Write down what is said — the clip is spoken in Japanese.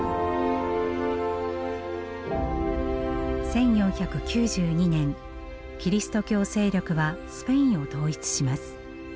１４９２年キリスト教勢力はスペインを統一します。